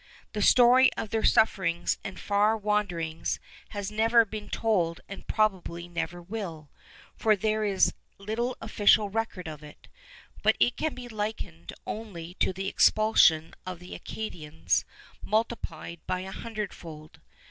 The story of their sufferings and far wanderings has never been told and probably never will, for there is little official record of it; but it can be likened only to the expulsion of the Acadians multiplied a hundredfold.